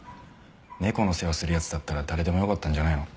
猫の世話する奴だったら誰でもよかったんじゃないの？